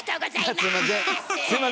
すいません。